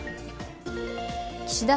岸田